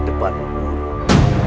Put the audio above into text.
kau akan menang